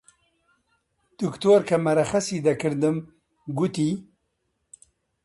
دکتۆر کە مەرەخەسی دەکردم گوتی: